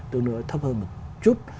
tương đối thấp hơn một chút